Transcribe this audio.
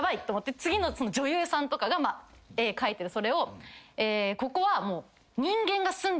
次の女優さんとかが絵描いてるそれをここはもう。